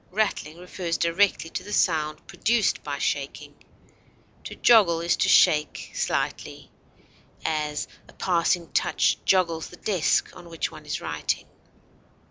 Rattling refers directly to the sound produced by shaking. To joggle is to shake slightly; as, a passing touch joggles the desk on which one is writing.